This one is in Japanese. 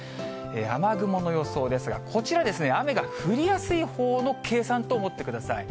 雨雲の予想ですが、こちらですね、雨が降りやすいほうの計算と思ってください。